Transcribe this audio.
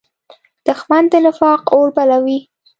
دښمن د نفاق اور بلوي